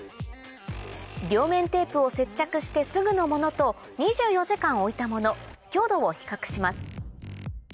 両面テープを接着してすぐのものと２４時間置いたもの強度を比較します